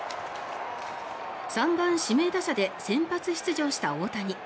３番指名打者で先発出場した大谷。